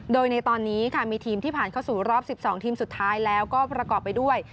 โดยในตอนนี้ค่ะมีทีมที่ผ่านเข้าสู่รอบ๑๒ทีมสุดท้ายแล้วก็ประกอบไปด้วย